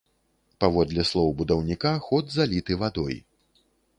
Паводле слоў будаўніка, ход заліты вадой.